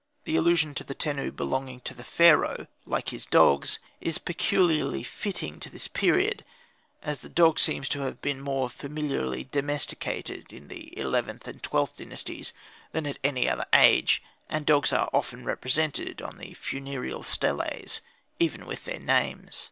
The allusion to the Tenu belonging to Pharaoh, like his dogs, is peculiarly fitting to this period, as the dog seems to have been more familiarly domesticated in the XIth and XIIth Dynasties than at any other age, and dogs are often then represented on the funereal steles, even with their names.